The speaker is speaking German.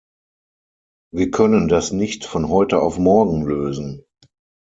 Wir können das nicht von heute auf morgen lösen.